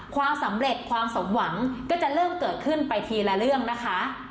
ความสำเร็จความสมหวังก็จะเริ่มเกิดขึ้นไปทีละเรื่องนะคะ